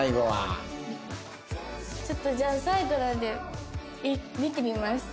ちょっとじゃあ最後なんで見てみます。